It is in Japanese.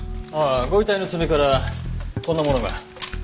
ご遺体の爪からこんなものが。